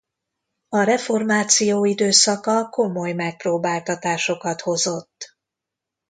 A reformáció időszaka komoly megpróbáltatásokat hozott.